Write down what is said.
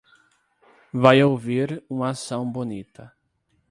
Vai ouvir uma ação bonita.